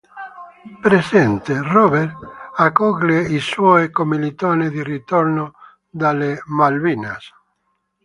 Presente: Robert accoglie i suoi commilitoni di ritorno dalle Falkland.